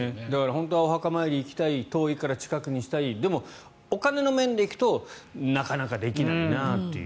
本当はお墓参り行きたい遠いから近くにしたいでもお金の面で行くとなかなかできないなという。